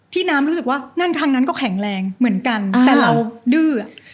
น้ำรู้สึกว่านั่นทางนั้นก็แข็งแรงเหมือนกันแต่เราดื้ออ่ะ